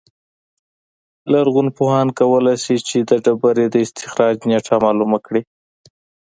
لرغونپوهان کولای شي چې د ډبرې د استخراج نېټه معلومه کړي